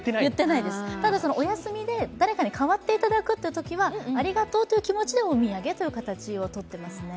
ただお休みで、誰かに代わっていただくというときは、ありがとうという気持ちでお土産という形をとっていますね。